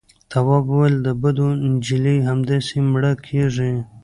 تواب وويل: د بدو نجلۍ همداسې مړه کېږي.